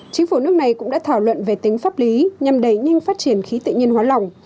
chính phủ nước này cũng đã thảo luận về tính pháp lý nhằm đẩy nhanh phát triển khí tự nhiên hóa lỏng